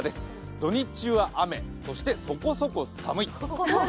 土日は雨、そしてそこそこ寒い。